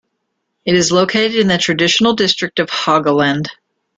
It is located in the traditional district of Haugaland.